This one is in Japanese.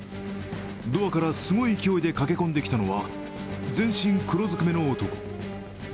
ドアからすごい勢いで駆け込んできたのは、全身黒ずくめの男。